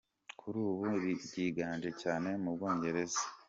Kuri ubu ryiganje cyane mu Bwongereza.